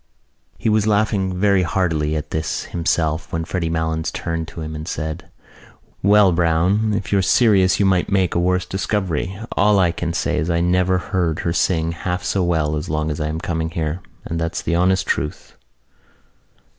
He was laughing very heartily at this himself when Freddy Malins turned to him and said: "Well, Browne, if you're serious you might make a worse discovery. All I can say is I never heard her sing half so well as long as I am coming here. And that's the honest truth."